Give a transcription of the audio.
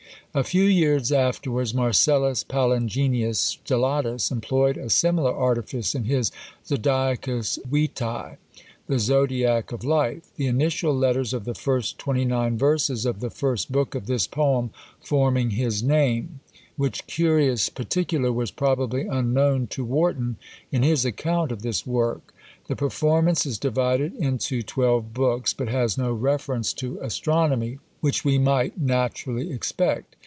A few years afterwards, Marcellus Palingenius Stellatus employed a similar artifice in his ZODIACUS VITÆ, "The Zodiac of Life:" the initial letters of the first twenty nine verses of the first book of this poem forming his name, which curious particular was probably unknown to Warton in his account of this work. The performance is divided into twelve books, but has no reference to astronomy, which we might naturally expect.